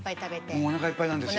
もうお腹いっぱいなんですよね。